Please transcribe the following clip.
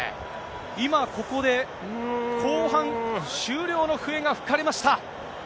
今、ここで、後半終了の笛が吹かれました。